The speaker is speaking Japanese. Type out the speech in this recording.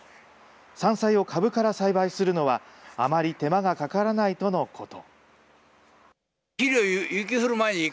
山菜を株から栽培するのは、あまり手間がかからないとのこと。